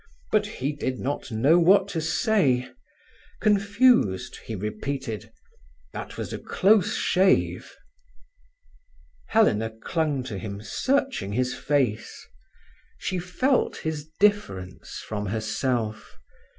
But he did not know what to say. Confused, he repeated: "That was a close shave." Helena clung to him, searching his face. She felt his difference from herself.